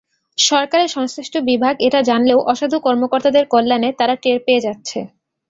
সরকারের সংশ্লিষ্ট বিভাগ এটা জানলেও অসাধু কর্মকর্তাদের কল্যাণে তারা টের পেয়ে যাচ্ছে।